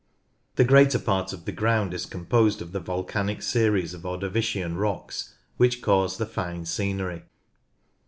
The greater part of the ground is composed of the volcanic series of Ordovician rocks, which cause the fine scenery.